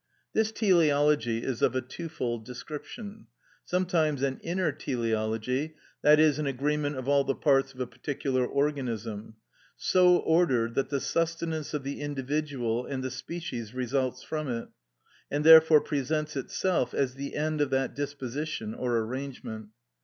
This teleology is of a twofold description; sometimes an inner teleology, that is, an agreement of all the parts of a particular organism, so ordered that the sustenance of the individual and the species results from it, and therefore presents itself as the end of that disposition or arrangement.